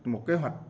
một kế hoạch